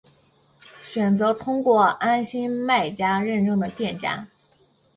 选择通过安心卖家认证的店家